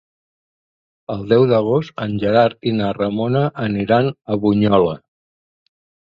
El deu d'agost en Gerard i na Ramona aniran a Bunyola.